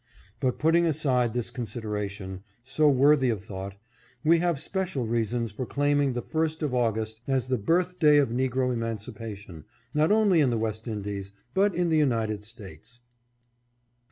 But putting aside this considera tion, so worthy of thought, we have special reasons for claiming the First of August as the birth day of negro emancipation, not only in the West Indies, but in the United States.